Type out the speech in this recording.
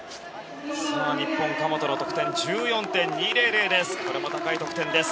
日本、神本の得点は１４．２００です。